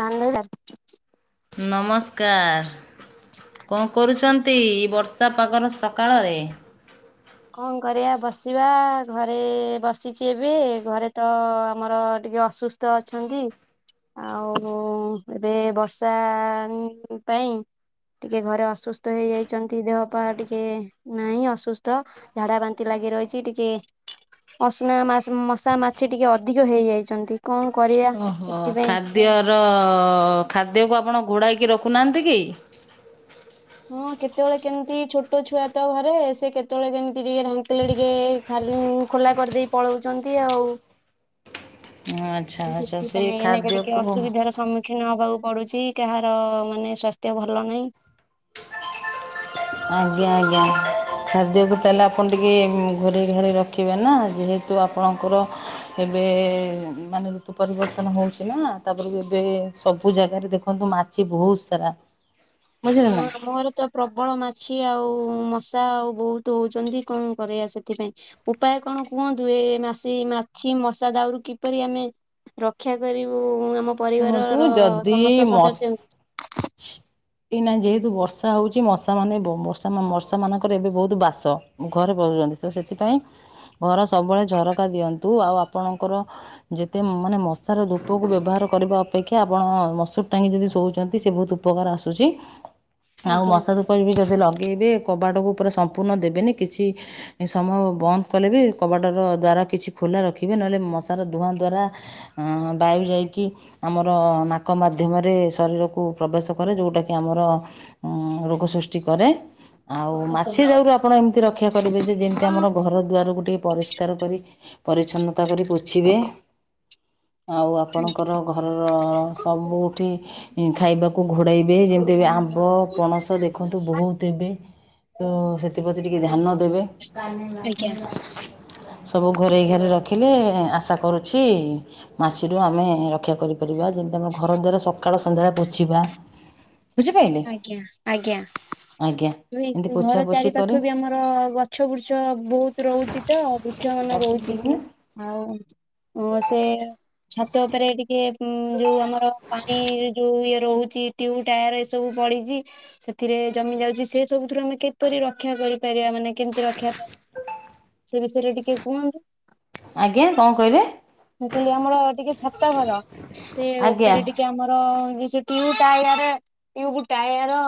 ମାନେ ରା ନମସ୍କାର୍ କଁ କରୁଚନ୍ ତି ବର୍ଷା ପାଗର ସକାଳରେ? କଁ କରିବା ବସିବା ଘରେ ବସିଚି ଏବେ ଘରେ ତ ଆମର ଟିକେ ଅସୁସ୍ ତ ଅଛନ୍ତି ଆଉ ଉଁ-ଉଁ ଏବେ ବର୍ଷା ଉଁ- ଉଁ ପାଇଁ ଟିକେ ଘରେ ଅସୁସ୍ଥ ହେଇ ଯାଇଚନ୍ତି ଦେହ ପା ଟିକେ ନାଇଁ ଅସୁସ୍ ତ ଝାଡା ବାନ୍ତି ଲାଗି ରହିଚି ଟିକେ ଅସ୍ନା ମାସ୍ ମଶା ମାଛି ଟିକେ ଅଧିକ ହେଇଯାଇଛନ୍ତି କଁ କରିଆ ସେଥିପାଇଁ ଦିଅର ଖାଦ୍ୟକୁ ଆପଣ ଘୋଡ଼ାଇକି ରଖୁନାହାନ୍ତି କି? ହଁ କେତେବେଳେ କେମ୍ତି ଛୋଟ ଛୁଆ ତ ଘରେ ସେ କେତେବେଳେ କେମ୍ତି ଟିକେ ଢାଙ୍କିଲେ ଟିକେ ଖାର୍ ଉଁ ଖୋଲା କରିଦେଇ ପଳଉଚନ୍ତି ଆଉ। ଉଁ [unintelligible] ଉ ସେଥିପାଇଁ ଏଇନା କା ଟିକେ ଅସବିଧାର ସମ୍ମୁ ଖିନ ହବାକୁ ପଡ଼ୁଚି କାହାର ମାନେ ସ୍ୱାସ୍ଥ୍ୟ ଭଲ ନାଇଁ। ଆଜ୍ଞା ଆଜ୍ଞା ଖାଦ୍ୟକୁ ତାଏଲେ ଆପଣ ଟିକେ ହୁଁ ଘୋରେଇ ଘୋରାଇ ରଖିବେ ନା ଯେହେତୁ ଆପଣଙ୍କର ଏବେ ମାନେ ଋତୁ ପରିବର୍ତ୍ତନ ହଉଛି ନା ତାପରେ ଏବେ ସବୁ ଜାଗାରେ ଦେଖନ୍ତୁ ମା ଚି ବହୁତ୍ ସାରା ବୁଝିଲେ ହଁ ନା ଆମ ଘରେ ତ ପ୍ରବଳ ମାଛି ଆଉ ମଶା ଆଉ ବହୁତୁ ହଉଛନ୍ତି କଁ କରିଆ ସେଥିପାଇଁ। ଉପାୟ କଣ କୁହନ୍ତୁ ଏ ମାଶି, ମାଛି, ମଶା ଦାଉରୁ କିପରି ଆମେ ରକ୍ଷା କରିବୁ ଆମ ଶୁଣନ୍ତୁ ପରିବାରର ଯଦି ସମସ୍ତ ମଶା ସଦସ୍ୟଙ୍କୁ। [inaudible] ଏଇନା ଯେହେତୁ ବର୍ଷା ହଉଚି ମଶା ମାନେ ବ ମଶା ମାନଙ୍କର ଏବେ ବହୁତ୍ ବାସ ଘରେ ପସୁଚନ୍ତି ତ ସେଥିପାଇଁ ଘର ସବୁବେଳେ ଝରକା ଦିଅନ୍ତୁ ଆଉ ଆପଣଙ୍କର ଯେତେ ମାନେ ମଶାର ଧୂପକୁ ବ୍ୟବହାର କରିବା ଅପେକ୍ଷା ଆପଣ ମସୁରି ଟାଙ୍ଗି ଯଦି ଶୋଉଚନ୍ତି ସେ ବହୁତ୍ ଉପକାର ଆସୁଚି। ଆଉ ଆଜ୍ଞା ମଶା ଧୂପ ବି ଯଦି ଲଗେଇବେ କବାଟକୁ ପୁରା ସମ୍ପୂର୍ଣ୍ଣ ଦେବେନି କିଛି ଏ ସମଭ ବନ୍ଦ କଲେ ବି କବାଟର ଦ୍ଵାର କିଛି ଖୋଲା ରଖିବେ ନହେଲେ ମଶାର ଧୂଆଁ ଦ୍ୱାରା ଉଁ ହୁଁ ବାୟୁ ଯାଇକି ଆମର ନାକ ମାଧ୍ୟମରେ ଶରୀରକୁ ପ୍ରବେଶ କରେ ଯୋଉଟାକି ଆମର ଉଁ ରୋଗ ସୃଷ୍ଟି କରେ। ଆଉ ମାଛି ଆଜ୍ଞା। ଦାଉରୁ ଆପଣ ଏମ୍ତି ରକ୍ଷା କରିବେ ଯେ ଯେମିତି ଆମର ଘର ଦୁଆର ଟିକେ ପରିସ୍ କାର କରି ପରିଛନ୍ନତା କରି ପୋଛିବେ। ଆଉ ଆପଣଙ୍କର ଘରର ସବୁଠି ଉଁ ଖାଇବ କୁ ଘୋଡାଇବେ ଯେମିତି ଆମ୍ବ ପଣସ ଦେଖନ୍ତୁ ବହୁତ୍ ଏବେ ତ ସେଥିପତି ଟି କେ ଧ୍ୟାନ ଦେବେ। ଆଜ୍ଞା ସବୁ ଘୋରେଇ ଘାରେଇ ରଖିଲେ ଆଶା କରୁଛି ମାଛିରୁ ଆମେ ରକ୍ଷା କରିପାରିବା। ଯେମିତି ଆମର ଘର ଦ୍ୱାରା ସକାଳ ସନ୍ଧ୍ୟାବେଳେ ପୋଛିବା। ବୁଝିପାରିଲେ ଆଜ୍ଞା ଆଜ୍ଞା। ଆଜ୍ଞା ଉଇ ଏମିତି ଘର ପୋଛାପୋଛି ଚାରି କରି ପାଖ ବି ଆମର ଗଛ ବୃଚ ବହୁତ ରହୁଚି ତ। ମାନ ରହୁଛି। ରଖୁନୁ। ଆଉ ମୁଁ ସେ ଛାତ ଉପରେ ଟିକେ ଉଁ ଯୋଉ ଆମର ପାଣିରେ ଯୋଉ ଇଏ ରୋହୁଚି ଟିୟୁ ଟାୟାର ଏସବୁ ପଡିଚି ସେଥିରେ ଜମି ଯାଉଚି। ସେ ସବୁଥୁରୁ ଆମେ କିପରି ରକ୍ଷା କରିପାରିବା? ମାନେ କେମିତି ରଖିବା ପାଇଁ ସେ ବିଷୟରେ ଟିକେ କୁହନ୍ତୁ? ଆଜ୍ଞା କଁ କଇଲେ? ମୁଁ କଇଲି ଆମର ଟିକେ ଛାତ ଘର। ସେ ଆଜ୍ଞା ଉପରେ ଟିକେ ଏଠି ଆମର ବିଶୁ ଟିଉ ଟାୟାରେ। ଟ୍ୟୁବ ଟାୟାର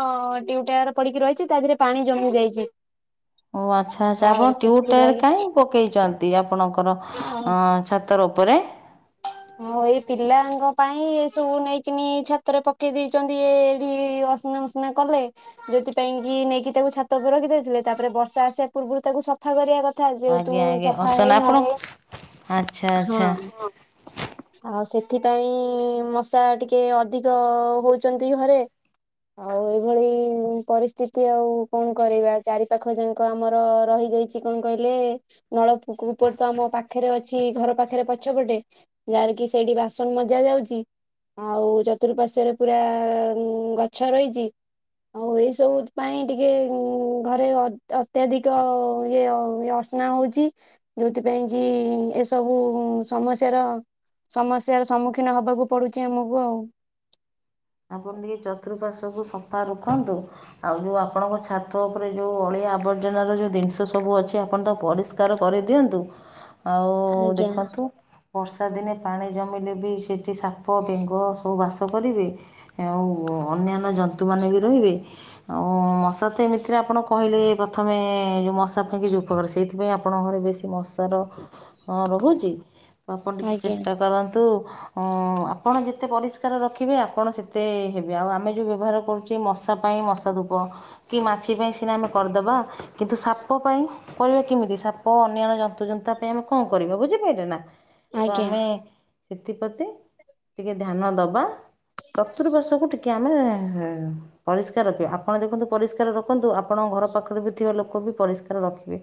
ଟ୍ୟୁ ଟାୟାର ପଡିକି ରଇଚି। ତା ଦେହରେ ପାଣି ଜମି ଯାଇଚି। ଓ ଆଚ୍ଛା ଆଚ୍ଛା ଆପଣ ଟ୍ୟୁ ଟାୟାର ସେଥିଲାଗି କାହିଁକ ପକେଇଚନ୍ତି ଆପଣଙ୍କର ଆଉ ଛା ତର ଓପରେ। ହଁ ଏଇ ପିଲାଙ୍କ ପାଇଁ ଏ ସବୁ ନେଇକିନି ଛାତରେ ପକେଇ ଦେଇଚନ୍ତି ଏଢ଼ି ଅସନା ବସ ନା କଲେ ଯୋଉଥିପାଇଁ କି ନେଇକି ତାକୁ ଛାତ ଉପରେ ରଖିଦେଇଥିଲେ। ତାପରେ ବର୍ଷା ଆସିବା ପୂର୍ବରୁ ତାକୁ ସଫ ଫା କରିବା କଥା ଯେହେତୁ ଆଜ୍ଞା ଆଜ୍ଞା ସଫା ଅସନା ହେଇନି। ଆପଣ ଆଚ୍ଛା ହଁ। ଆଚ୍ଛା ଆଉ ସେଥିପାଇଁ ମଶା ଟିକେ ଅଧିକ ହୋଉଚନ୍ତି ଘରେ। ଆଉ ଏଇଭଳି ପରିସ୍ଥିତି ଆଉ କଣ କରିବା। ଚାରି ପାଖଜାଙ୍କ ଆମର ରହିଯାଇ ଚି। କଣ କଇଲେ ନଳକୂପ ତ ଆମ ପାଖରେ ଅଛି ଘର ପାଖରେ ପଛପଟେ। ଯାହାରେ କିି ସେଇଡି ବାସନ ମଜା ଯାଉଚି। ଆଉ ଚତୁର୍ପାଶ୍ୱରେ ପୁରା ଗଛ ରଇଚି। ମୁଁ ଏଇସବୁ ପାଇଁ ଟିକେ ଘରେ ଅତ ଅତ୍ୟଧିକ ଇଅ ଅସ ନା ଉଚି। ଯୋଉଥିପାଇଁ କି ଏସବୁ ସମସ୍ୟାର ସମସ୍ୟାର ସମ୍ମୁଖୀନ ହବାକୁ ପଡୁଚି ଆମକୁ ଆଉ। ଆପଣ ଟିକେ ଚତୃପାଶ୍ୱକୁ ସଫା ରଖନ୍ତୁ। ଆଉ ଯୋଉ ଆପଣଙ୍କ ଛାତ ଉପରେ ଯୋଉ ଅଳିଆ ଆବର୍ଜନା ର ଯୋଉ ଜିନିଷ ସବୁ ଅଛି ଜେ ଆପଣ ତାକୁ ପରିଷ୍କାର କରିଦିଅନ୍ତୁ। ଆଉ ଆଜ୍ଞା ଦେଖନ୍ତୁ ବର୍ଷା ଦିନେ ପାଣି ଜମିଲେବି ସେଇଠି ସାପ, ବେଙ୍ଗ, ସବୁ ବାସ କରିବେ। ଆଉ ଅନ୍ୟାନ୍ୟ ଜନ୍ତୁ ମାନେ ବି ରହିବେ। ଆଉ ମଶା ତ ଏମିତି ଏଥିରେ ଆପଣ କହିଲେ ପ୍ରଥମେ ଯୋଉ ମଶା ପାଇଁ ଯୋଉ। ଉପକର ସେଇଥିପାଇଁ ଆପଣଙ୍କ ଘରେ ବେଶୀ ମଶାର ରହ ରହୁଚି। ଆପଣ ଟିକେ ଆଜ୍ଞା ଚେଷ୍ଟା କରନ୍ତୁ ହୁଁ। ଆପଣ ଯେତେ ପରିଷ୍କାର ରଖିବେ ଆପଣ ସେତ ଏତେ ହେବେ। ଆଉ ଆମେ ଯେଉଁ ବ୍ୟବହାର କରୁଚେ ମଶା ପାଇଁ ମଶା ଧୂପ। କି ମାଛି ପାଇଁ ସିନା ଆମେ କରଦବା କିନ୍ତୁ ସାପ ପାଇଁ। କରିବା କେମିତି ସାପ ଅନ୍ୟାନ୍ୟ ଜନ୍ତୁ ଜନ୍ତା ପାଇଁ ଆମେ କଣ କରିବା ବୁଝିପାଇଲେ ନା। ତ ଆଜ୍ଞା ଆମେ ସେଥିପ୍ରତି ଟିକେ ଧ୍ୟାନ ଦବା। ଚତୁର୍ପାଶ୍ୱକୁ ଟିକେ ଆମେ ପରିଷ୍କାର ରଖିବେ। ଆପଣ ଦେଖନ୍ତୁ ପରିଷ୍କାର ରଖନ୍ତୁ ଆପଣଙ୍କ ଘର ପାଖରେ ବି ଥିବା ଲୋକ ବି ପରିଷ୍କାର ରଖିବେ।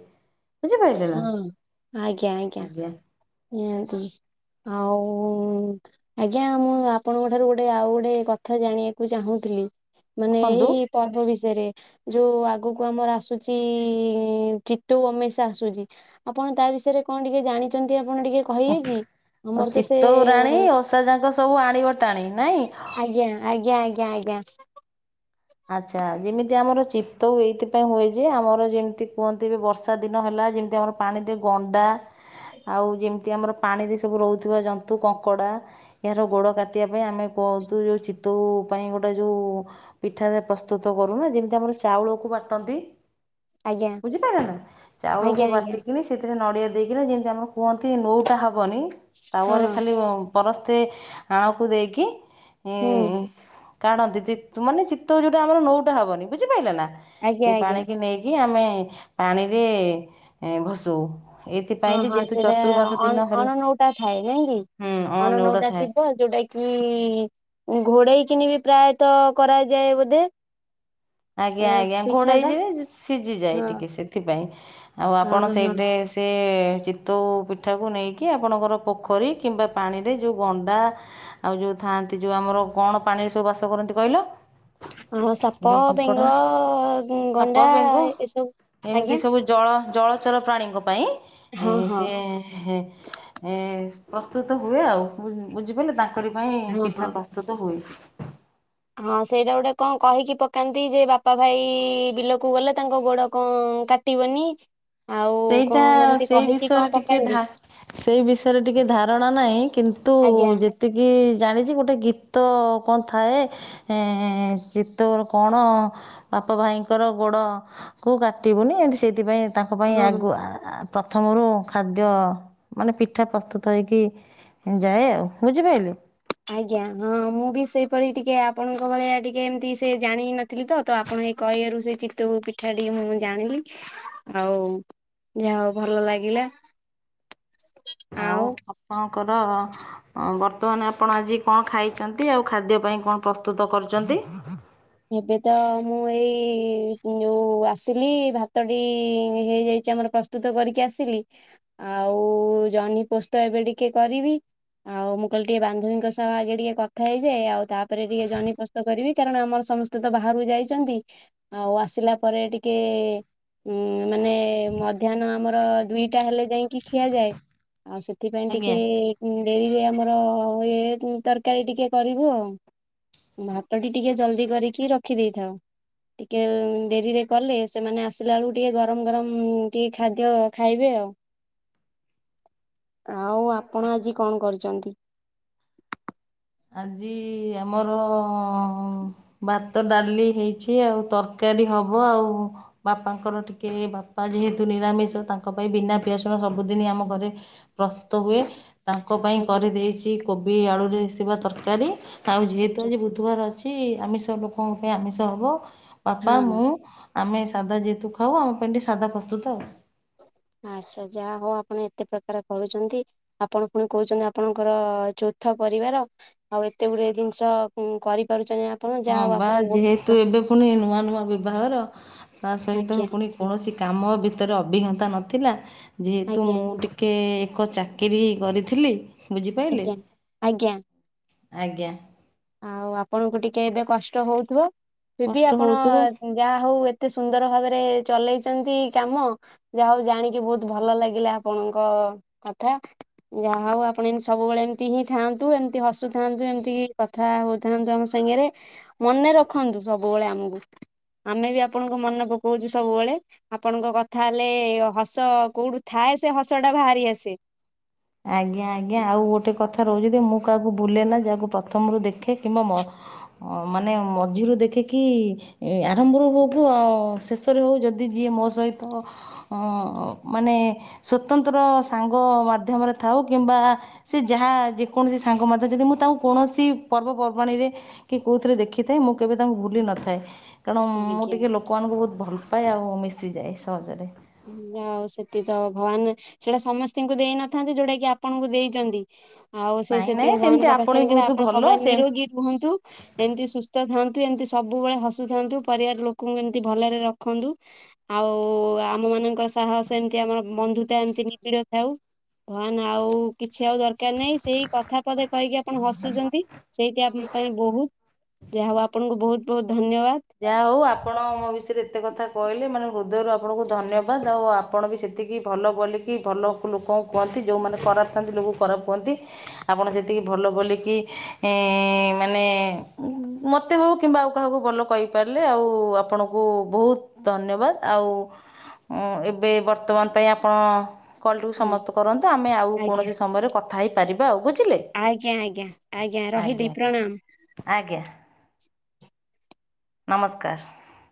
ବୁଝିପାରିଲେ ନା ହଁ ଆଜ୍ଞା ଆଜ୍ଞା ନିହାତି। ଆଉ। ଆଜ୍ଞା ମୁଁ ଆପଣଙ୍କ ଠାରୁ ଗୋଟେ ଆଉ ଗୋଟେ କଥା ଜାଣିବାକୁ ଚାହୁଁଥିଲି। ମାନେ କୁହନ୍ତୁ ଏଇ ପର୍ବ ବିଷୟରେ। ଯୋଉ ଆଗକୁ ଆମର ଆସୁଚି ଚିତୋଉ ଅମେସ୍ ସେ ଆସୁଛି ଆପଣ ତା ବିଷୟରେ କଣ ଟିକେ ଜାଣିଛନ୍ତି ଆପଣ ଟିକେ କହିବେ କି? ଆମର ତ ସେ ଚିତଉ ରାଣୀ ଓଷା ଯାଙ୍କ ସବୁ ଆଣିବଟାଣି ନାଇଁ ଆଜ୍ଞା ଆଜ୍ଞା ଆଜ୍ଞା ଆଜ୍ଞା ଆଚ୍ଛା ଯେମିତି ଆମର ଚିତ୍ତଉ ଏଇଥିପାଇଁ ହୁଏ ଯେ ଆମର ଯେମିତି କୁହନ୍ତି ଏ ବର୍ଷା ଦିନ ହେଲା ଯେମିତି ଆମର ପାଣିରେ ଗଣ୍ଡା ଆଉ ଯେମିତି ଆମର ପାଣିରେ ସବୁ ରହୁଥିବା ଜନ୍ତୁ କଙ୍କଡ଼ା। ଏହାର ଗୋଡ଼ କାଟିବା ପାଇଁ ଆମେ କହୁଛୁ ଯେଉଁ ଚିତଉ ପାଇଁ ଗୋଟେ ଯେଉ ପିଠାରେ ପ୍ରସ୍ତୁତ କରୁନା ଯେମିତି ଆମର ଚାଉଳକୁ ବାଟନ୍ତି ଆଜ୍ଞା ବୁଝିପାରିଲ ନା ଚାଉଳକୁ ଆଜ୍ଞା ଆଜ୍ଞା ବାଟିକିନି। ସେଥିରେ ନଡ଼ିଆ ଦେଇକିନି ଯେମିତି ଆମକୁ କୁହନ୍ତି ନୋଟା ହବନି ଟାଉ ଆରେ ହଁ ଖାଲି ପରସ୍ତେ ଆଣକୁ ଦେଇକି ହୁଁ କାଢ଼ନ୍ତି ମାନେ ଚିତ ଚିତଉ ଯୋଉଟା ଆମର ନୌଟା ହବନି ବୁଝିପାରିଲ ନା ଆଜ୍ଞା ସେ ଆଜ୍ଞା ପାଣିିକି ନେଇକି କି ଆମେ ପାଣିରେ ଭସଉ ହଁ ଏଇଥିପାଇଁ ଯେ ହଁ ଯେହେତୁ ସେଇଟା ଚତୁର୍ମାସ ଦିନ ହେଲା ଅଣ ନୌଟା ଥାଏ ନାଇକି ହୁଁ କି ଅଣ ନେଉଟା ନଉଟା ଥାଏ ଥିବ ଯୋଉଟା କି ଘୋଡ଼େଇ କିନି ବି ପ୍ରାୟତଃ କରାଯାଏ ବୋଧେ ଏ ଆଜ୍ଞା ଆଜ୍ଞା ଘୋଡ଼ଇ ପିଠାଟା ଦିଏ ସିଝିଯାଏ ହଁ ଟିକେ ସେଥିପାଇଁ ଆଉ ହଁ ଆପଣ ହଁ ସେଇଟରେ ସେ ଚିତଉ ପିଠାକୁ ନେଇକି ଆପଣଙ୍କର ପୋଖରୀ କିମ୍ବା ପାଣିରେ ଯେଉଁ ଗଣ୍ଡା ଆଉ ଯେଉଁ ଥାଆନ୍ତି ଯେଉଁ ଆମର କଣ ପାଣିରେ ସବୁ ବାସ କରନ୍ତି କହିଲ? ହଁ ସାପ ଯୋଉ କଙ୍କଡ଼ା। ବେଙ୍ଗ, ସାପ ଗଣ୍ଡା ବେଙ୍ଗ ଏସବୁ ଏମିତି ଆଜ୍ଞା ସବୁ ଜଳ ଜଳଚର ପ୍ରାଣୀଙ୍କ ପାଇଁ ହଁ ହଁ ସିଏ ଏ ପ୍ରସ୍ତୁତ ହୁଏ ଆଉ ବୁଝିପାରିଲେ ତାଙ୍କରି ପାଇଁ ହଁ ହଁ ପିଠା ପ୍ରସ୍ତୁତ ହୁଏ। ହଁ ସେଇଟା ଗୋଟେ କଣ କହିକି ପକାନ୍ତି ଯେ ବାପା ଭାଇ ବିଲକୁ ଗଲେ ତାଙ୍କ ଗୋଡ଼ କଣ କାଟି କାଟିବନି। ଆଉ ସେଇଟା କଣ ଏମିତି ସେଇ କହିକି କଣ ବିଷୟରେ ଟିକେ ପକାନ୍ତି ଧା ସେଇ ବିଷୟରେ ଟିକେ ଧାରଣା ନାହିଁ କିନ୍ତୁ ଆଜ୍ଞା ଯେତେ ଏତିକି ଜାଣିଛି ଗୋଟେ ଗୀତ କଣ ଥାଏ। ଏ ଚିତଉ କଣ ବାପ ଭାଇଙ୍କର ଗୋଡ଼ କୋଉ କାଟିବୁନି ଏତି ସେଇଥିପାଇଁ ତାଙ୍କ ପାଇଁ ହଁ ହଁ ଆ ପ୍ରଥମରୁ ଖାଦ୍ୟ ମାନେ ପିଠା ପ୍ରସ୍ତୁତ ହେଇକି ଯାଏ ଆଉ ବୁଝିପାଇଲୁ। ଆଜ୍ଞା ହଁ ମୁଁ ବି ସେଇପରି ଟିକେ ଆପଣଙ୍କ ଭଳିଆ ଟିକେ ଏମତି ସେ ଜାଣି ନ ଥିଲି ତ ତ ଆପଣ ସେଇ କହିବାରୁ ସେଇ ଚିତଉ ପିଠା ଟିକେ ମୁଁଁ ଜାଣିଲି ଆଉ ଯାହା ହଉ ଭଲ ଲାଗିଲା। ଆଉ ଆପଣଙ୍କର ହ ବର୍ତ୍ତମାନ ଆପଣ ଆଜି କଣ ଖାଇଛନ୍ତି ଆଉ ଖାଦ୍ୟ ପାଇଁ କଣ ପ୍ରସ୍ତୁତ କରୁଛନ୍ତି। ଏବେ ତ ମୁଁ ଏଇ ଯୋଉ ଆସିଲି ଭାତଟି ହେଇଯାଇଛି ଆମର ପ୍ରସୁ ପ୍ରସ୍ତୁତ କରିକି ଆସିଲି ଆଉ ଜହ୍ନି ପୋସ୍ତ ଏବେ ଟିକେ କରିବି। ଆଉ ମୁଁ କହିଲି ଟିକେ ବାନ୍ଧବୀଙ୍କ ସହ ଆଗେ ଟିକେ କଥା ହେଇଯେ ଆଉ ତାପରେ ଟିକେ ଜନି ପୋସ୍ତ କରିବି କାରଣ ଆମର ସମସ୍ତେ ତ ବାହାରାରୁକୁ ଯାଇଛନ୍ତି ଆଉ ଆସିଲା ପରେ ଟିକେ ଉଁ ମାନେ ମଧ୍ୟାହ୍ନ ଆମର ଦୁଇଟା ହେଲେ ଯାଇକି ଖିଆଯାଏ। ଆଉ ସେଥିପାଇଁ ଟିକେ ଆଜ୍ଞା। ଡେରିରେ ଆମର ଇଏ ତରକାରୀ ଟିକେ କରିବୁ ଆଉ। ଭାତଟି ଟିକେ ଜଲ୍ଦି କରିକି ରଖିଦେଇଥାଉ। ଟିକେ ଡେରିରେ କଲେ ସେମାନେ ଆସିଲା ବେଳକୁ ଟିକେ ଗରମ ଗରମ ଟିକେ ଖାଦ୍ୟ ଖାଇବେ ଆଉ। ଆଉ ଆପଣ ଆଜି କଣ କରିଛନ୍ତି। ଆଜି ଆମର ଭାତ ଡାଲି ହେଇଛି ଆଉ ତରକାରୀ ହବ ଆଉ। ବାପାଙ୍କର ଟିକେ ବାପା ଯେହେତୁ ନିରାମିଷ ତାଙ୍କ ପାଇଁ ବିନା ପିଆସନ ସବୁଦିନ ଆମ ଘରେ ପ୍ରସ୍ତୁତ ହୁଏ ତାଙ୍କ ପାଇଁ ଆଜ୍ଞା। କରିଦେଇଛି କୋବି ଆଳୁରେ ଥିବା ତରକାରୀ ଆଉ ଯେହେତୁ ଆଜ୍ଞା ଆଜି ବୁଧବାର ଅଛି ଆମିଷ ଲୋକଙ୍କ ପାଇଁ ଆମିଷ ହବ। ବାପା ହଁ ମୁଁ ଆମେ ସାଧା ଯେହେତୁ ଖାଉ ଆମ ପାଇଁ ସାଧା ପ୍ରସ୍ତୁତ ଆଉ। ଆଛା ଯାହା ହଉ ଆପଣ ଏତେ ପ୍ରକାର କରୁଛନ୍ତି। ଆପଣ ପୁଣି କହୁଛନ୍ତି ଆପଣଙ୍କର ଯୋଥ ପରିବାର ଆଉ ଏତେ ଗୁଡଏ ଜିନିଷ କରିପାରୁଛ। ହଁ ବା ଯେହେତୁ ଏବେ ପୁଣି ନୂଆ ନୂଆ ବିବାହର ତା ସହିତ ଆଜ୍ଞା ପୁଣି କୌଣସି କାମ ଭିତରେ ଅଭିଜ୍ଞତା ନଥିଲା ଯେହେତୁ ଆଜ୍ଞା ମୁଁ ଟିକେ କେ ଏକ ଚାକିରୀ କରିଥିଲି ବୁଝିପାରିଲେ। ଆଜ୍ଞା ଆଜ୍ଞା। ଆଜ୍ଞା। ଆଉ ଆପଣଙ୍କୁ ଟିକେ ଏବେ କଷ୍ଟ ହଉଥିବ ସେ ବି କଷ୍ଟ ଆପଣ ହଉଥିବ ଯାହା ହଉ ଏତେ ସୁନ୍ଦର ଭାବରେ ଚଲେଇଛନ୍ତି କାମ ଯାହା ହଉ ଜାଣିକି ବହୁତ ଭଲ ଲାଗିଲା ଆପଣଙ୍କ କଥା। ଯାହା ହଉ ଆପଣ ଏମିତି ସବୁବେଳେ ଏମିତି ହିଁ ଥାନ୍ତୁ ଏମିତି ହସୁଥାନ୍ତୁ ଏମିତି କଥା ହଉଥାନ୍ତୁ ଆମ ସାଙ୍ଗରେ ମନେ ରଖନ୍ତୁ ସବୁବେଳେ ଆମକୁ ଆମେ ବି ଆପଣଙ୍କୁ ମନେ ପକାଉଛୁ ସବୁବେଳେ। ଆପଣଙ୍କ କଥା ହେଲେ ହସ କୋଉଠୁ ଥାଏ ସେ ହସ ଟା ବାହାରି ଆସେ। ଆଜ୍ଞା ଆଜ୍ଞା ଆଉ ଗୋଟେ କଥା ରହୁଛି ମୁଁ କାହାକୁ ଭୁଲେ ନା ଯାହାକୁ ପ୍ରଥମରୁ ଦେଖେ କିମ୍ବା ମାନେ ମଝିରୁ ଦେଖେ କିି ଏ ଆରମ୍ଭରୁ ହଉଠୁ ଆଉ ଶେଷରେ ହଉ ଯଦି ଯିଏ ମୋ ସହିତ ଅ ମାନେ ସ୍ଵତନ୍ତ୍ର ସାଙ୍ଗ ମାଧ୍ୟମରେ ଥାଉ କିମ୍ବା ସେ ଯାହା ଯେକୌଣସି ସାଙ୍ଗ ମଧ୍ୟ ଯଦି ମୁଁ ତାଙ୍କୁ କୌଣସି ପର୍ବପର୍ବାଣୀରେ କି କୋଉଥିରେ ଦେଖିଥାଏ ମୁଁ କେବେ ତାଙ୍କୁ ଭୁଲି ନଥାଏ। ତେଣୁ ମୁଁ ଆଜ୍ଞା। ଟିକିଏ ଲୋକମାନଙ୍କୁ ବହୁତ ଭଲ ପାଏ ଆଉ ମିଶିଯାଏ ସହଜରେ। ଯାହାହଉ ସେତିକି ତ ଭଗବାନ ସେଟା ସମସ୍ତଙ୍କୁ ଦେଇନଥାନ୍ତି ଯୋଉଟା କି ଆପଣଙ୍କୁ ଦେଇଛନ୍ତି। ଆଉ ସେଇ ନାଇଁ ନାଇଁ ସେତିକ ସେମିତି ଭଗାନଙ୍କ ଆପଣ ବି ପାଖରେ ବହୁତ ଆପଣ ଭଲ ସବୁବେଳେ ସେମିତି ନିରୋଗୀ ରୁହନ୍ତୁ। ଏମିତି ସୁସ୍ଥ ଥାନ୍ତୁ ଏମିତି ସବୁବେଳେ ହସୁଥାନ୍ତୁ ପରିବାର ଲୋକଙ୍କୁ ଏମିତି ଭଲରେ ରଖନ୍ତୁ। ଆଉ ଆମ ମାନଙ୍କର ସାହସ ଏମତି ଆମର ବନ୍ଧୁତା ଏମିତି ନିବିଡ ଥାଉ। ହାନ ଆଉ କିଛି ଆଉ ଦରକାର ନାହିଁ ସେଇ କଥା ପଧେ କହିକି ଆପଣ ହସୁଛନ୍ତି। ସେଇଠି ଆମ ପାଇଁ ବହୁତ ଯାହା ହଉ ଆପଣଙ୍କୁ ବହୁତ ବହୁତ ଧନ୍ୟବାଦ। ଯାହା ହଉ ଆପଣ ମୋ ବିଷୟରେ ଏତେ କଥା କହିଲେ ମାନେ ହୃଦୟରୁ ଆପଣଙ୍କୁ ଧନ୍ୟବାଦ ଆଉ ଆପଣ ବି ଏତିକି ଭଲ ବୋଲିକି ଭଲ ଲୋକଙ୍କୁ କୁହନ୍ତି ଯେଉଁମାନେ ଖରାପ ଥାଆନ୍ତି ଲୋକ ଖରାପ କୁହନ୍ତି। ଆପଣ ସେତିକି ଭଲ ବୋଲିକି ମାନେ ମୋତେ ହେଉ କିମ୍ବା ଆଉ କାହାକୁ ଭଲ କହିପାରିଲେ ଆଉ ଆପଣଙ୍କୁ ବହୁତ ଧନ୍ୟବାଦ ଆଉ ଏବେ ବର୍ତ୍ତମାନ ପାଇଁ ଆପଣ କଲ୍ଟିକୁ ହଁ ସମସ୍ତେ କରନ୍ତୁ ଆମେ ଆଉ ଆଜ୍ଞା କୌଣସି ସମୟରେ କଥା ହେଇପାରିବା ଅଗୁଛି। ଆଜ୍ଞା ଆଜ୍ଞା ଆଜ୍ଞା ରହିଲି ପ୍ରଣାମ। ଆଜ୍ଞା। ନମସ୍କାର।